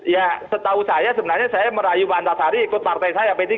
ya setahu saya sebenarnya saya merayu pak antasari ikut partai saya p tiga